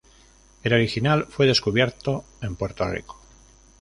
El original fue descubierto en Puerto Rico.